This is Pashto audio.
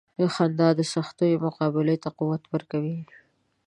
• خندا د سختیو مقابلې ته قوت ورکوي.